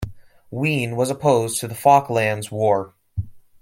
Wheen was opposed to the Falklands War.